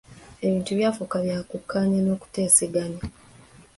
Ebintu byafuuka bya kukkaanya n'akuteesaganya.